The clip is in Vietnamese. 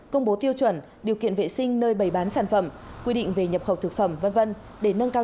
công bố tiêu chuẩn điều kiện vệ sinh nơi bày bán sản phẩm quy định về nhập khẩu thực phẩm v v để nâng cao